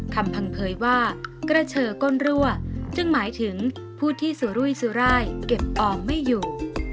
คำพังเผยว่ากระเฉอก้นรั่วจึงหมายถึงผู้ที่สุรุยสุรายเก็บออมไม่อยู่